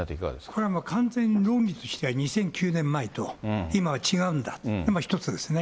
これはもう完全に論理としては、２００９年前と、今は違うんだ、それが一つですね。